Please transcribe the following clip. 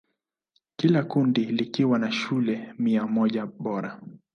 Kila kundi likiwa na shule mia moja bora.